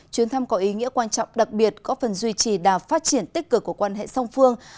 chuyến thăm có ý nghĩa quan trọng đặc biệt có phần duy trì đà phát triển tích cực của quan hệ song phương